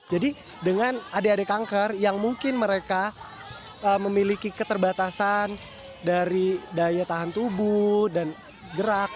jadi dengan adik adik kanker yang mungkin mereka memiliki keterbatasan dari daya tahan tubuh dan gerak